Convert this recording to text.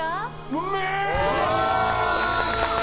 うめえー！